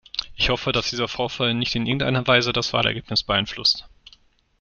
Ich hoffe, dass dieser Vorfall nicht in irgendeiner Weise das Wahlergebnis beeinflusst.